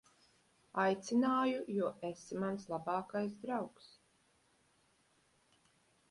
Aicināju, jo esi mans labākais draugs.